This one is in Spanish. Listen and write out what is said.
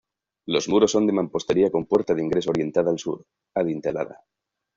Los muros son de mampostería con puerta de ingreso orientada al sur, adintelada.